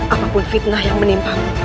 apapun fitnah yang menimpamu